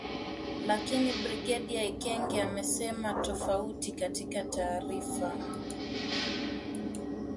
Lakini Brigedia Ekenge amesema tofauti katika taarifa